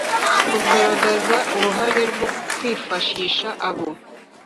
kugaragaza uruhare rwo kwifashisha abo